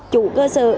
chủ cơ sở